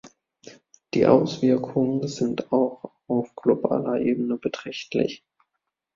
Die Auswirkungen sind auch auf globaler Ebene beträchtlich.